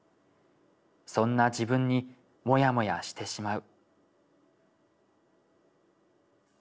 そんな自分にモヤモヤしてしまう」。